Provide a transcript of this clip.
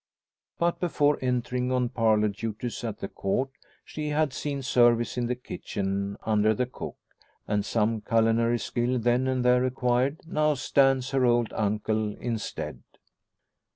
But before entering on parlour duties at the Court, she had seen service in the kitchen, under the cook; and some culinary skill, then and there acquired, now stands her old uncle in stead.